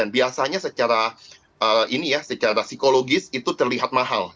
biasanya secara ini ya secara psikologis itu terlihat mahal